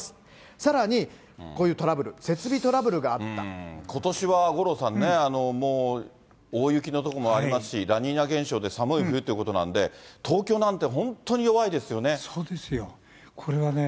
さらに、こういうトラブル、設備ことしは五郎さんね、もう大雪の所もありますし、ラニーニャ現象で寒い冬ということなんで、そうですよ。